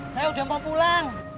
saya udah mau pulang